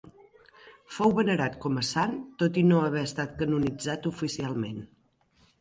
Fou venerat com a sant tot i no haver estat canonitzat oficialment.